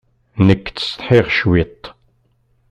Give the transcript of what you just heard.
Nekk ttsetḥiɣ cwiṭ.